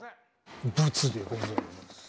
ブツでございます。